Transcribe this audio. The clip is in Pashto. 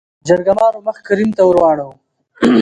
جرګمارو مخ کريم ته ورواړو .